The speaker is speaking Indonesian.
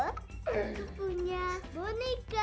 aku punya boneka